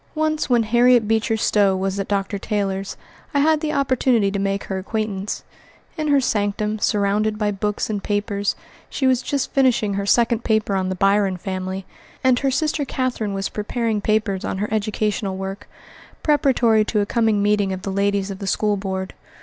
Once when Harriet Beecher Stowe was at Dr. Taylor's, I had the opportunity to make her acquaintance. In her sanctum, surrounded by books and papers, she was just finishing her second paper on the Byron family, and her sister Catherine was preparing papers on her educational work, preparatory to a coming meeting of the ladies of the school board.